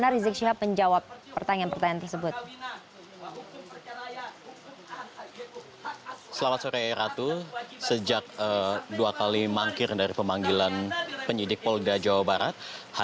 rizik shihab berkata